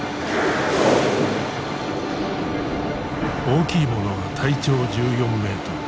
大きいものは体長１４メートル。